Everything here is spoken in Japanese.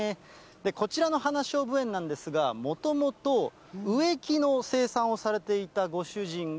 こちらの花しょうぶ園なんですが、もともと植木の生産をされていたご主人が、